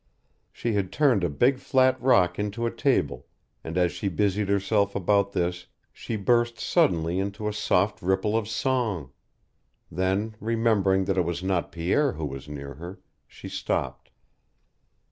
She had turned a big flat rock into a table, and as she busied herself about this she burst suddenly into a soft ripple of song; then, remembering that it was not Pierre who was near her, she stopped.